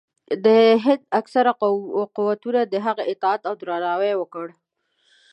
د هند اکثرو قوتونو د هغه اطاعت او درناوی وکړ.